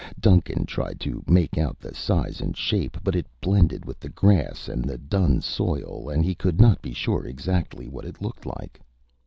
Duncan tried to make out the size and shape, but it blended with the grass and the dun soil and he could not be sure exactly what it looked like.